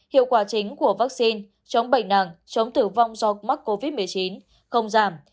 hiệu quả chính của vaccine chống bệnh nặng chống tử vong do mắc covid một mươi chín không giảm